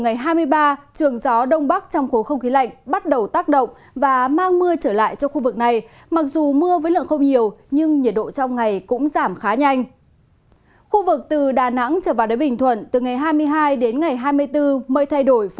nhiệt độ ngày đêm giao động từ hai mươi hai đến ba mươi một độ